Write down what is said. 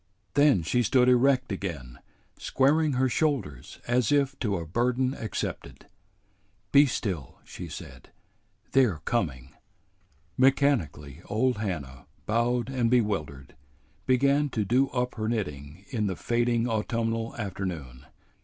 Then she stood erect again, squaring her shoulders as if to a burden accepted. "Be still," she said. "They're coming." Mechanically old Hannah, bowed and bewildered, began to do up her knitting in the fading autumnal afternoon.